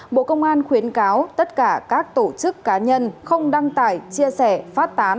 bộ công an khuyến cáo tất cả các tổ chức cá nhân không đăng tải chia sẻ phát tán